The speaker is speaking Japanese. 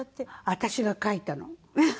私が書いたの。